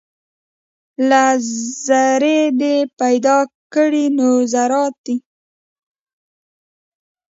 له ذرې دې پیدا کړي نور ذرات دي